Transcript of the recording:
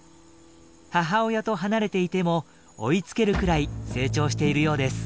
母親と離れていても追いつけるくらい成長しているようです。